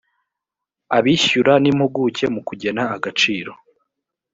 abishyura n impuguke mu kugena agaciro